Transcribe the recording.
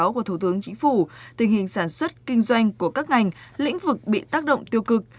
của thủ tướng chính phủ tình hình sản xuất kinh doanh của các ngành lĩnh vực bị tác động tiêu cực